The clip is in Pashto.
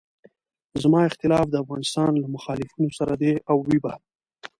زما اختلاف د افغانستان له مخالفینو سره دی او وي به.